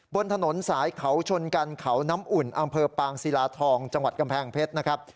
บนถนนสายเขาชนกันเขาน้ำอุ่นอำเภอปางศิลาทองจังหวัดกำแพงเพชรนะครับ